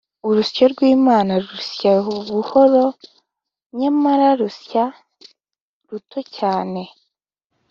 urusyo rw'imana rusya buhoro, nyamara rusya ruto cyane